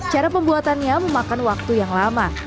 cara pembuatannya memakan waktu yang lama